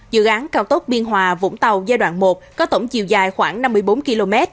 dự án cao tốc biên hòa vũng tàu giai đoạn một có tổng chiều dài khoảng năm mươi bốn km